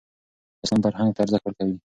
اسلام فرهنګ ته ارزښت ورکوي.